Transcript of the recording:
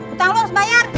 utang lu harus bayar